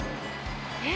え？